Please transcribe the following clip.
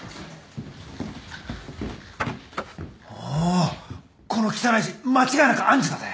おおこの汚い字間違いなく愛珠だぜ。